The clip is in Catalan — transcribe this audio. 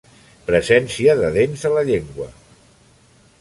Presència de dents a la llengua.